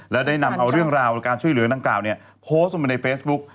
แล้วได้นำเอาเรื่องราวบ่อนการช่วยเหลือกำว่าร่างกล่าวโพสต์ลงไปในเฟซบุ๊ค